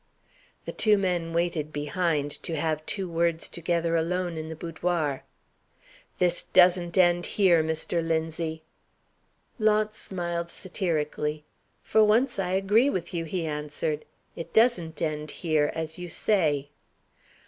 The two men waited behind to have two words together alone in the boudoir. "This doesn't end here, Mr. Linzie!" Launce smiled satirically. "For once I agree with you," he answered. "It doesn't end here, as you say."